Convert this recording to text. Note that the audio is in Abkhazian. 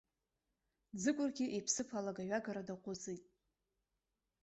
Ӡыкәыргьы иԥсыԥ алагаҩагара даҟәыҵит.